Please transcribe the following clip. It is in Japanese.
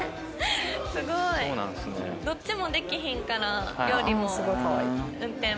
すごい！どっちもできひんから料理も運転も。